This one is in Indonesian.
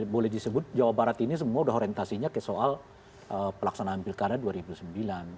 boleh disebut jawa barat ini semua udah orientasinya ke soal pelaksanaan pilkada dua ribu sembilan